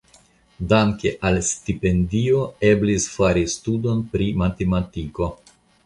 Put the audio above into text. Danke al stipendio eblis fari studon pri matetmatiko.